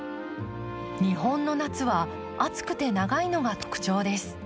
日本の夏は暑くて長いのが特徴です。